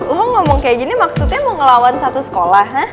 lo ngomong kayak gini maksudnya mau ngelawan satu sekolah